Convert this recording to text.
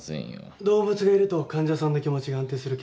動物がいると患者さんの気持ちが安定するケースが多いんだよ。